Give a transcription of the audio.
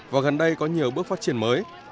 và gần đây có nhiều bước phát triển mới